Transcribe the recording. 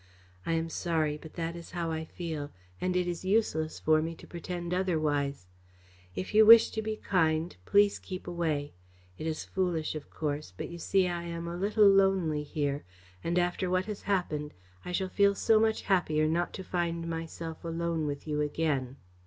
I am sorry, but that is how I feel, and it is useless for me to pretend otherwise. If you wish to be kind, please keep away. It is foolish, of course, but you see I am a little lonely here, and, after what has happened, I shall feel so much happier not to find myself alone with you again.